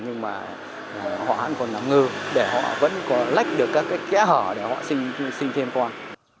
nhưng mà họ vẫn còn ngờ để họ vẫn có lách được các kẻ hở để họ sinh thêm con